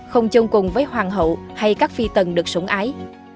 không chôn cùng với hoàng hậu hay các phi tần được sủng ái